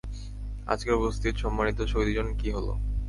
আজকের উপস্থিত সম্মানিত সুধীজন কী হলো?